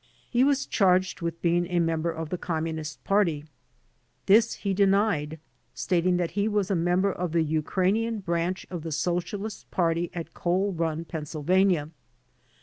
He was charged with being a member of the Communist Party. This he de nied, stating that he was a member of the Ukranian Branch of the Socialist Party at Coal Run, Pa.